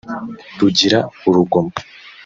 rugira urugomo